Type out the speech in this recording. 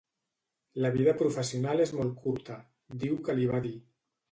La vida professional és molt curta, diu que li va dir.